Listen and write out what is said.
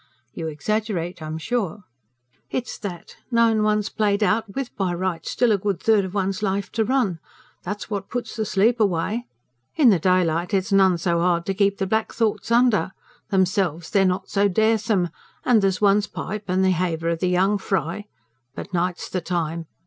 "You exaggerate, I'm sure." "It's that knowin' one's played out, with by rights still a good third of one's life to run that's what puts the sleep away. In the daylight it's none so hard to keep the black thoughts under; themselves they're not so daresome; and there's one's pipe, and the haver o' the young fry. But night's the time!